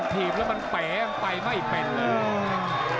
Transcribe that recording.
ถีบแล้วมันเป๋ยังไปไม่เป็นเลย